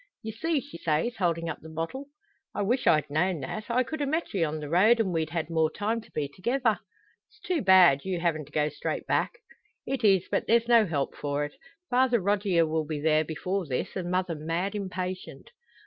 "You see," she says, holding up the bottle. "I weesh I'd known that. I could a met ye on the road, and we'd had more time to be thegither. It's too bad, you havin' to go straight back." "It is. But there's no help for it. Father Rogier will be there before this, and mother mad impatient."